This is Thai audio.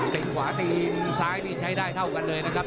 ขวาตีนซ้ายนี่ใช้ได้เท่ากันเลยนะครับ